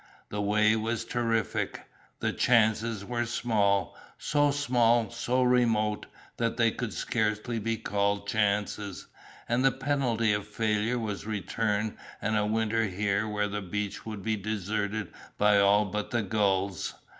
The way was terrific, the chances were small, so small, so remote, that they could scarcely be called chances, and the penalty of failure was return and a winter here when the beach would be deserted by all but the gulls.